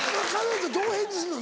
どう返事すんの？